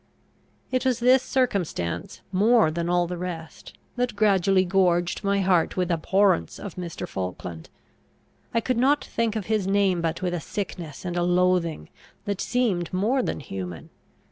It was this circumstance, more than all the rest, that gradually gorged my heart with abhorrence of Mr. Falkland. I could not think of his name but with a sickness and a loathing that seemed more than human.